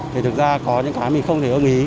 thì thực ra có những cái mình không thể ươm ý